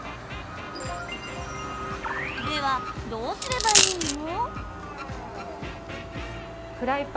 では、どうすればいいの？